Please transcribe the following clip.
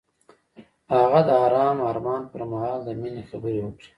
هغه د آرام آرمان پر مهال د مینې خبرې وکړې.